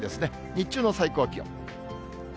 日中の最高気温。